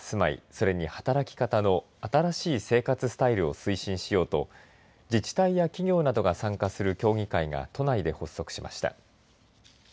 それに働き方の新しい生活スタイルを推進しようと自治体や企業などが参加する協議会が都内で発足しました。